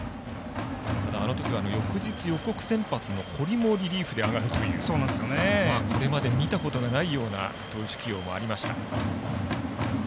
ただ、あのときは翌日予告先発の堀もリリーフで上がるというこれまで見たことがないような投手起用もありました。